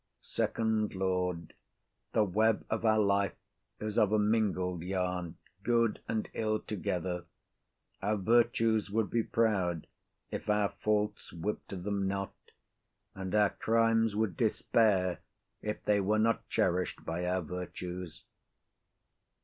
FIRST LORD. The web of our life is of a mingled yarn, good and ill together; our virtues would be proud if our faults whipped them not; and our crimes would despair if they were not cherish'd by our virtues.